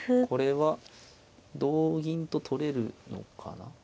これは同銀と取れるのかな。